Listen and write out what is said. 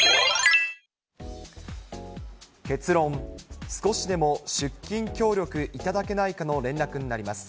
結論、少しでも出勤協力いただけないかの連絡になります。